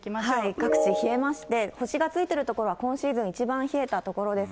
各地冷えまして、星がついている所は今シーズン一番冷えた所です。